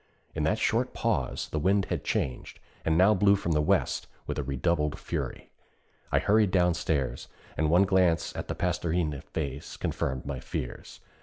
In that short pause the wind had changed, and now blew from the west with redoubled fury. I hurried downstairs, and one glance at the Pastorinde's face confirmed my fears.